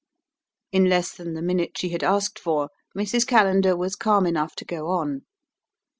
In less than the minute she had asked for, Mrs. Callender was calm enough to go on.